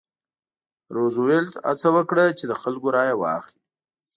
روزولټ هڅه وکړه چې د خلکو رایه واخلي.